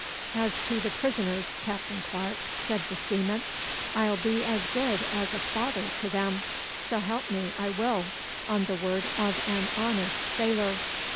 'As to the prisoners, Captain Clarke,' said the seaman, 'I'll be as good as a father to them. S'help me, I will, on the word of an honest sailor!